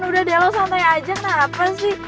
udah deh lo santai aja kenapa sih